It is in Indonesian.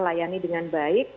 terlayani dengan baik